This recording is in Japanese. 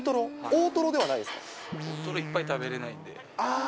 大トロいっぱい食べれないんで。